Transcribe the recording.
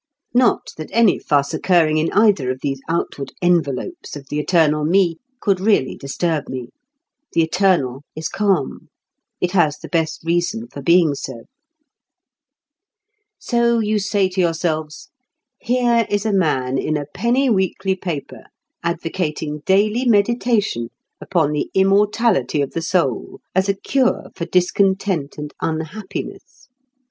Not that any fuss occurring in either of these outward envelopes of the eternal me could really disturb me. The eternal is calm; it has the best reason for being so. So you say to yourselves: "Here is a man in a penny weekly paper advocating daily meditation upon the immortality of the soul as a cure for discontent and unhappiness!